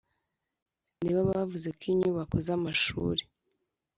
nibo bavuze ko inyubaka z amashuri